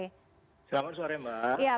selamat sore mbak